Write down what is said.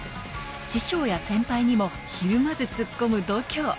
師匠や先輩にもひるまず突っ込む度胸。